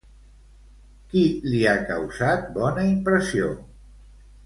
Qui li ha causat bona impressió?